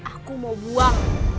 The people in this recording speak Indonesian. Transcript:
aku mau buang